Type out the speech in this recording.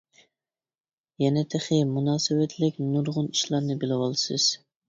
يەنە تېخى مۇناسىۋەتلىك نۇرغۇن ئىشلارنى بىلىۋالىسىز.